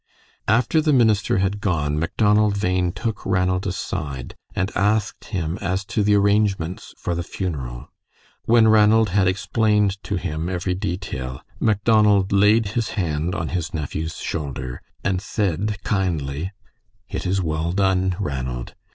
After the minister had gone, Macdonald Bhain took Ranald aside and asked him as to the arrangements for the funeral. When Ranald had explained to him every detail, Macdonald laid his hand on his nephew's shoulder and said, kindly, "It is well done, Ranald.